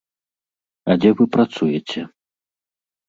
А дзе вы працуеце?